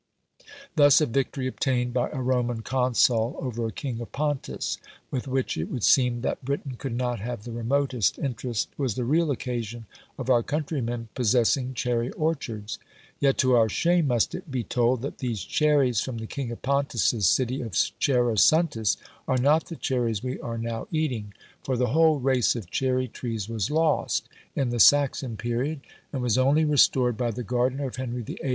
Thus a victory obtained by a Roman consul over a king of Pontus, with which it would seem that Britain could not have the remotest interest, was the real occasion of our countrymen possessing cherry orchards. Yet to our shame must it be told, that these cherries from the king of Pontus's city of Cerasuntis are not the cherries we are now eating; for the whole race of cherry trees was lost in the Saxon period, and was only restored by the gardener of Henry VIII.